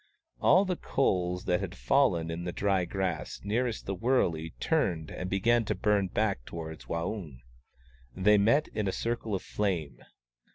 All the coals that had fallen in the dry grass nearest the wurley turned and began to burn back towards Waung. They met in a circle of flame.